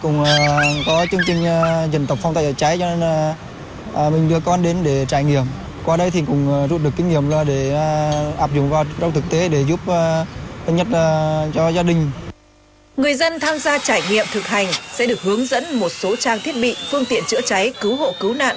người dân tham gia trải nghiệm thực hành sẽ được hướng dẫn một số trang thiết bị phương tiện chữa cháy cứu hộ cứu nạn